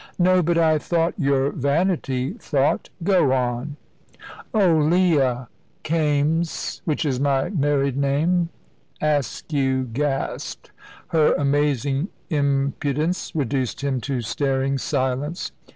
"No; but I thought " "Your vanity thought! Go on." "Oh, Leah " "Kaimes which is my married name." Askew gasped. Her amazing impudence reduced him to staring silence.